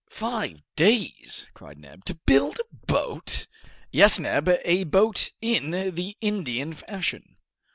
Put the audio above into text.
"Five days," cried Neb, "to build a boat?" "Yes, Neb; a boat in the Indian fashion."